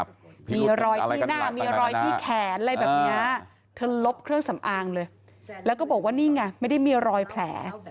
มีรอยที่หน้ามีรอยที่แขนอะไรแบบเนี้ยเธอลบเครื่องสำอางเลยแล้วก็บอกว่านี่ไงไม่ได้มีรอยแผล